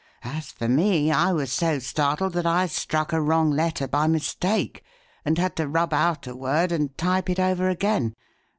As for me, I was so startled that I struck a wrong letter by mistake and had to rub out a word and type it over again.